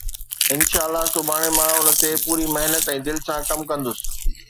انشاءَ الله، سڀاڻي مان ان تي پوري محنت ۽ دل سان ڪم ڪندس